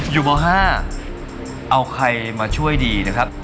ม๕เอาใครมาช่วยดีนะครับ